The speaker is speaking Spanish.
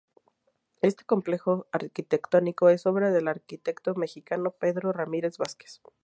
Este complejo arquitectónico es obra del arquitecto mexicano, Pedro Ramírez Vázquez.